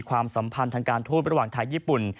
ความสัมพันธ์ทางการทูตระหว่างไทยญี่ปุ่น